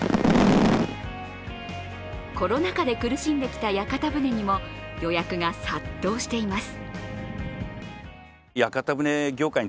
コロナ禍で苦しんできた屋形船にも予約が殺到しています。